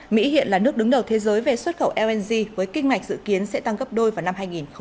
mỹ hiện là nước đứng đầu thế giới về xuất khẩu lng với kinh ngạch dự kiến sẽ tăng gấp đôi vào năm hai nghìn ba mươi